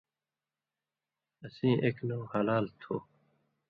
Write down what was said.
اسیں ایک نؤں ”حلال” تُھو۔